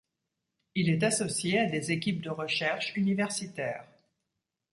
Il est associé à des équipes de recherche universitaires.